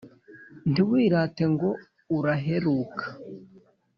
ntiwirate ngo uraheruka